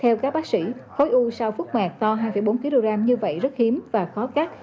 theo các bác sĩ khối u sau phút mạc to hai bốn kg như vậy rất hiếm và khó cắt